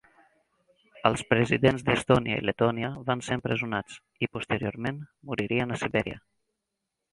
Els presidents d'Estònia i Letònia van ser empresonats, i posteriorment moririen a Sibèria.